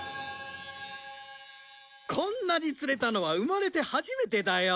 こんなに釣れたのは生まれて初めてだよ。